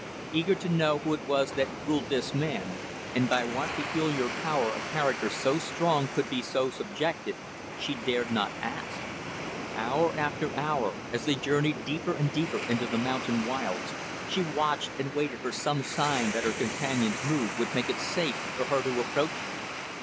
Eager to know who it was that ruled this man, and by what peculiar power a character so strong could be so subjected, she dared not ask. Hour after hour, as they journeyed deeper and deeper into the mountain wilds, she watched and waited for some sign that her companion's mood would make it safe for her to approach him.